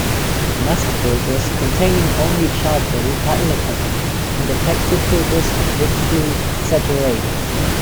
Mask filters containing only charcoal are ineffective, and effective filters are quickly saturated.